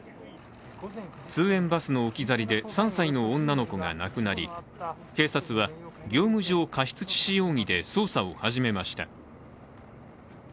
通園バスの置き去りで３歳の女の子が亡くなり警察は業務上過失致死容疑で捜査を始めました。